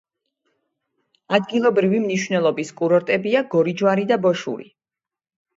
ადგილობრივი მნიშვნელობის კურორტებია გორიჯვარი და ბოშური.